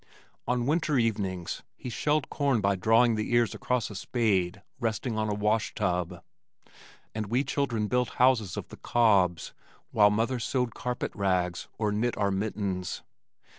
On winter evenings he shelled corn by drawing the ears across a spade resting on a wash tub, and we children built houses of the cobs, while mother sewed carpet rags or knit our mittens.